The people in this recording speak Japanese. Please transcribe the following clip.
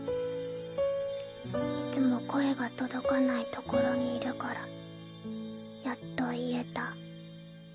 いつも声が届かない所にいるからやっと言えた。